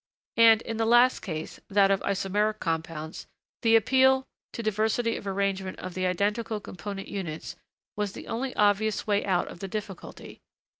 And, in the last case, that of isomeric compounds, the appeal to diversity of arrangement of the identical component units was the only obvious way out of the difficulty.